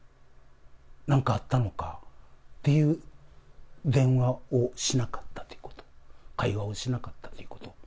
なんかあったのか？という電話をしなかったってこと、会話をしなかったこと。